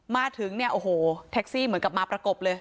มาถึงเนี่ยโอ้โหแท็กซี่เหมือนกับมาประกบเลย